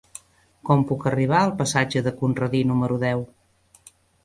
Com puc arribar al passatge de Conradí número deu?